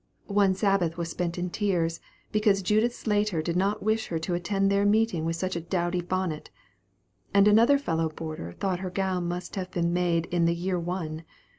One Sabbath was spent in tears, because Judith Slater did not wish her to attend their meeting with such a dowdy bonnet; and another fellow boarder thought her gown must have been made in "the year one."